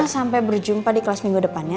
sampai berjumpa di kelas minggu depan ya